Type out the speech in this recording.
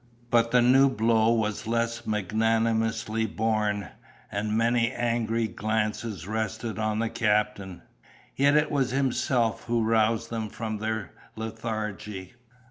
But the new blow was less magnanimously borne, and many angry glances rested on the captain. Yet it was himself who roused them from their lethargy.